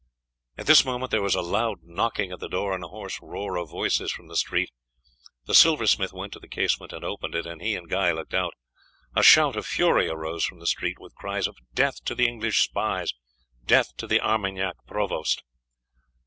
At this moment there was a loud knocking at the door and a hoarse roar of voices from the street. The silversmith went to the casement and opened it, and he and Guy looked out. A shout of fury arose from the street, with cries of "Death to the English spies!" "Death to the Armagnac provost!"